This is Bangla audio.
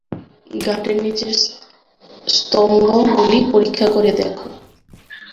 ঘাটের নিচের স্তম্ভগুলি পরীক্ষা করে দেখো।